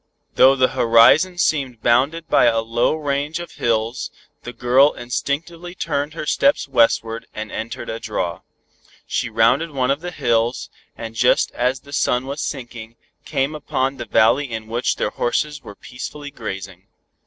Though the horizon seemed bounded by a low range of hills, the girl instinctively turned her steps westward, and entered a draw. She rounded one of the hills, and just as the sun was sinking, came upon the valley in which their horses were peacefully grazing.